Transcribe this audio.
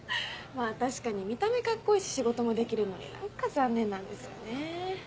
まぁ確かに見た目カッコいいし仕事もできるのに何か残念なんですよねぇ。